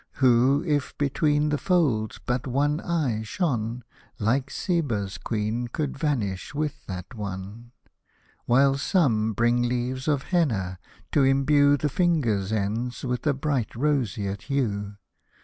Who, if between the folds but one eye shone, Like Seba'S Queen could vanquish with that one :— While some bring leaves of Henna, to imbue The fingers' ends with a bright roseate hue.